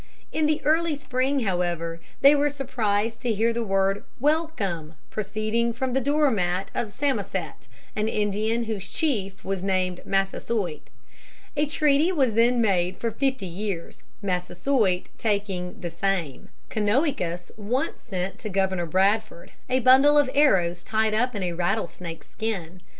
In the early spring, however, they were surprised to hear the word "Welcome" proceeding from the door mat of Samoset, an Indian whose chief was named Massasoit. A treaty was then made for fifty years, Massasoit taking "the same." Canonicus once sent to Governor Bradford a bundle of arrows tied up in a rattlesnake's skin.